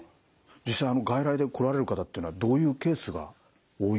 実際に外来で来られる方っていうのはどういうケースが多いんですか？